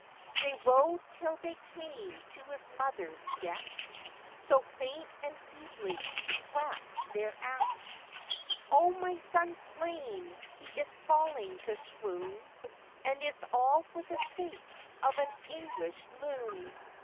They rode till they came to his mother's yett, So faint and feebly he rapped thereat. 'O, my son's slain, he is falling to swoon, And it's all for the sake of an English loon.